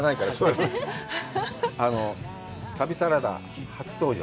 旅サラダ初登場。